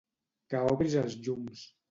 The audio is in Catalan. Que obris els llums.